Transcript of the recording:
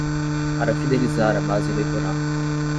Para fidelizar a base eleitoral